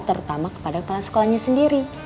terutama kepada kepala sekolahnya sendiri